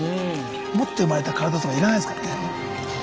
持って生まれた体とかいらないですからね。